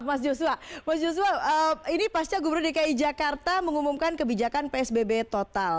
mas joshua ini pasnya gubernur dki jakarta mengumumkan kebijakan psbb total